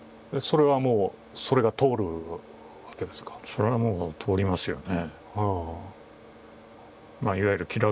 そりゃもう通りますよね。